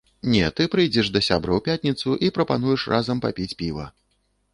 Не, ты прыйдзеш да сябра ў пятніцу і прапануеш разам папіць піва.